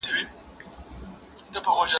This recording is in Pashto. خلک د پایلو څار ته اړتیا لري.